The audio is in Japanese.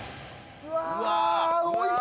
うわ！